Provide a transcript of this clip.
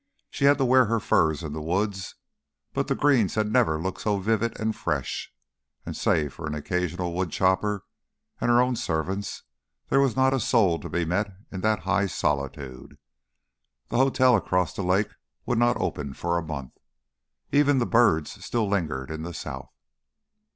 She had to wear her furs in the woods, but the greens had never looked so vivid and fresh, and save for an occasional woodchopper and her own servants, there was not a soul to be met in that high solitude. The hotel across the lake would not open for a month. Even the birds still lingered in the South.